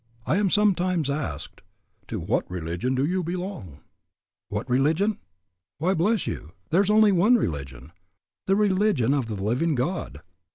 I am sometimes asked, "To what religion do you belong?" What religion? Why, bless you, there is only one religion, the religion of the living God.